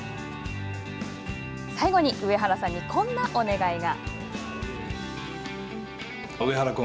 最後に上原さんにこんなお願いが。